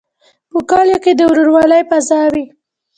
په کلیو کې د ورورولۍ فضا وي.